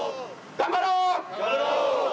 頑張ろう！